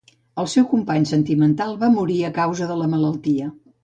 El seu company sentimental va morir a causa de la malaltia.